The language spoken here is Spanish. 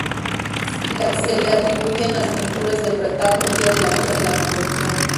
Se le atribuyen las pinturas del retablo de la capilla de la Concepción.